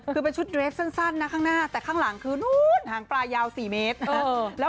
เป็นชุดเรสสั่นข้างหน้าแต่ข้างหลังขึ้นหางปลายาว๔นิตร